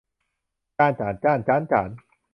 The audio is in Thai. จาน จ่าน จ้าน จ๊าน จ๋าน